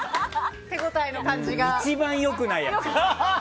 一番良くないやつ。